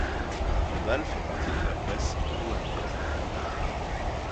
Condal fait partie de la Bresse louhannaise.